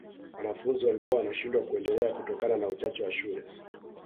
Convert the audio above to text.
wanafunzi walikuwa wanashindwa kuendelea kutokana na uchache wa shule